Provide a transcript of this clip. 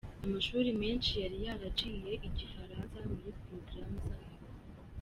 Amashuri menshi yari yaraciye Igifaransa muri porogaramu zayo.